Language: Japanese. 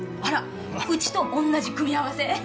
あらうちとおんなじ組み合わせ。